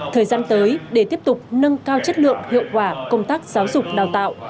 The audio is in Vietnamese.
thời gian tới để tiếp tục nâng cao chất lượng hiệu quả công tác giáo dục đào tạo